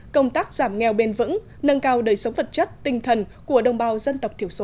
công tác giảm nghèo bền vững nâng cao đời sống vật chất tinh thần của đồng bào dân tộc thiểu số